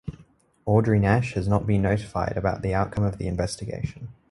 Audrey Nash had not been notified about the outcome of the investigation.